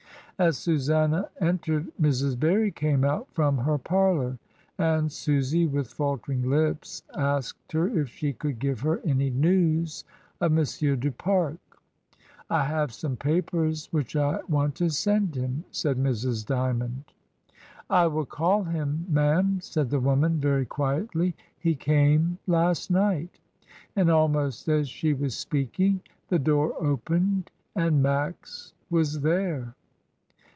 As Susanna entered Mrs. Barry came out from her parlour, and Susy with faltering lips asked her if she could give her any news of M. du Pare, "I have some papers which I want to send him," said Mrs. Djnuond. "I will call him, ma'am," said the woman very quietly; "he came last night;" and almost as she was speaking the door opened and Max was there.